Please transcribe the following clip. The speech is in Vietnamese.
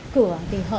cửa thì hở